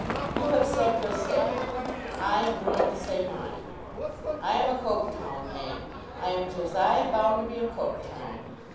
'You have said your say; I am going to say mine. I am a Coketown man. I am Josiah Bounderby of Coketown.